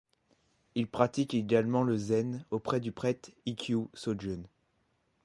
Il pratique également le zen auprès du prêtre Ikkyū Sōjun.